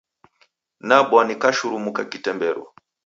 Nabwa nikashurumuka kitemberu.